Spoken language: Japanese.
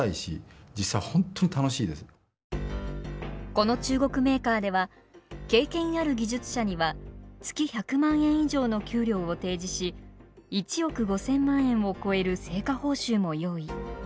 この中国メーカーでは経験ある技術者には月１００万円以上の給料を提示し１億５，０００万円を超える成果報酬も用意。